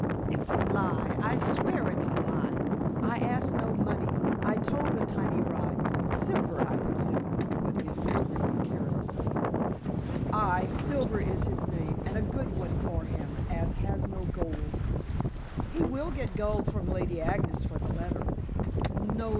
"It's a lie. I swear it's a lie. I ask no money. I told the tiny rye " "Silver, I presume," put in Miss Greeby carelessly. "Aye: Silver is his name, and a good one for him as has no gold." "He will get gold from Lady Agnes for the letter." "No.